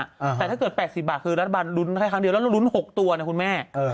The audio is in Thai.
แต่ถ้าเกิด๘๐บาทคือรัฐบาลลุ้นให้ครั้งเดียวแล้วลุ้น๖ตัวนะคุณแม่